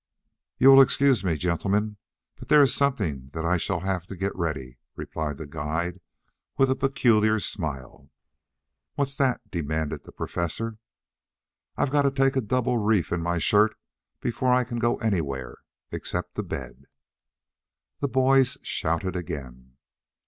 "You will excuse me, gentlemen, but there is something that I shall have to get ready," replied the guide with a peculiar smile. "What's that?" demanded the Professor. "I've got to take a double reef in my shirt before I can go anywhere, except to bed." The boys shouted again.